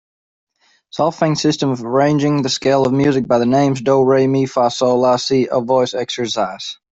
Solfaing system of arranging the scale of music by the names do, re, mi, fa, sol, la, si a voice exercise.